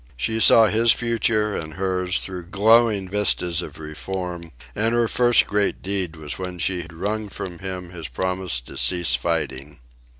She saw his future and hers through glowing vistas of reform, and her first great deed was when she wrung from him his promise to cease fighting.